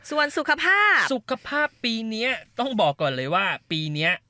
ส่วนสุขภาพสุขภาพปีนี้ต้องบอกก่อนเลยว่าปีนี้